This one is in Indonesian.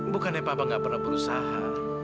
bukannya papa nggak pernah berusaha